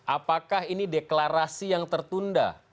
apakah ini deklarasi yang tertunda